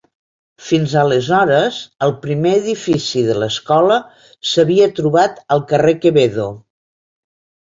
Fins aleshores, el primer edifici de l'escola s'havia trobat al carrer Quevedo.